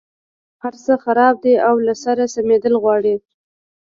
هرڅه خراب دي او له سره سمېدل غواړي.